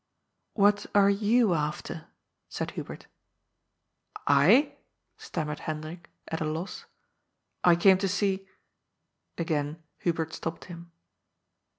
^^ What are you after ?" said Hubert. ^^I?" stammered Hendrik, at a loss. *^I came to see ^" Again Hubert stopped him.